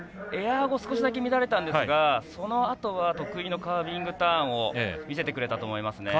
エア後少しだけ乱れたんですがそのあと得意のカービングターンを見せてくれたと思います。